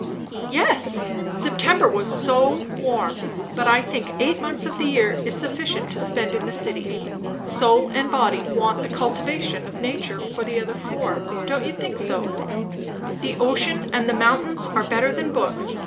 "Yes September was so warm! But I think eight months of the year is sufficient to spend in the city. Soul and body want the cultivation of nature for the other four; don't you think so? The ocean and the mountains are better than books.